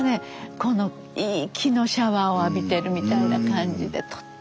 このいい気のシャワーを浴びてるみたいな感じでとってもいい時間でした。